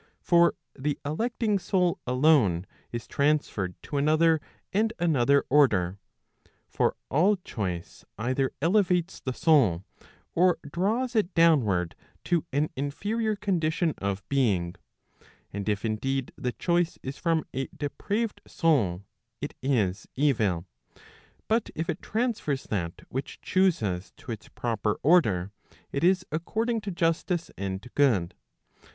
For the electing soul alone, is transferred to another and another order. For all choice either elevates the soul, or draws it downward [to an inferior condition of being]. And if indeed the choice is from a depraved * soul, it is evil; but if it transfers that which chuses to its proper order, it is according to justice and good.